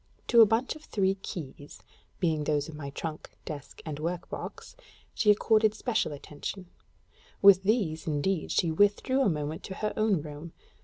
To a bunch of three keys, being those of my trunk, desk, and work box, she accorded special attention: with these, indeed, she withdrew a moment to her own room.